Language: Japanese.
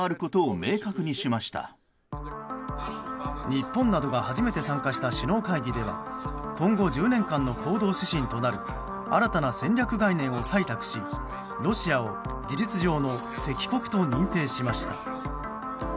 日本などが初めて参加した首脳会議では今後１０年間の行動指針となる新たな戦略概念を採択しロシアを事実上の敵国と認定しました。